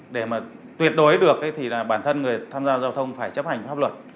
để mà tuyệt đối được thì là bản thân người tham gia giao thông phải chấp hành pháp luật